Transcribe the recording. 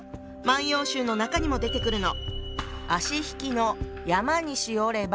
「万葉集」の中にも出てくるの。